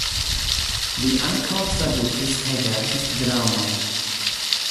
Li ankaŭ tradukis kaj verkis dramojn.